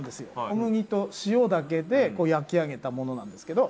小麦と塩だけで焼き上げたものなんですけど。